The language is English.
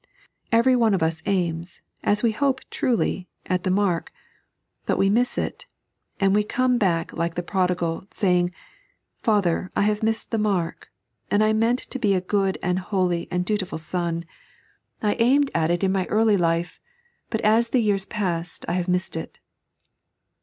Every one of us aims, as we hope truly, at the mark ; but we miss it, and we come back like the prodigal, saying :" Father, I have missed the mark. I meant to be a good and holy and dutiful son ; I aimed at 3.n.iized by Google The Debt of Sin. 129 it in my early life, but as the years have passed I have missed it."